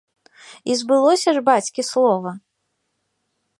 І збылося ж бацькі слова!